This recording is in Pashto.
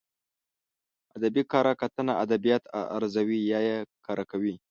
ادبي کره کتنه ادبيات ارزوي يا يې کره کوي.